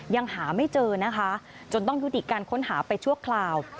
ยังหาไม่เจอนะคะจนต้องยุติการค้นหาไปชั่วคราว